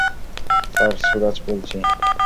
Sir, Suraj বলছি।